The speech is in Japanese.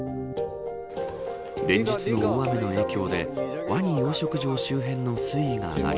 連日の大雨の影響でワニ養殖場周辺の水位が上がり